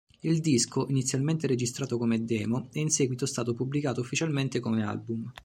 Il disco, inizialmente registrato come demo, è in seguito stato pubblicato ufficialmente come album.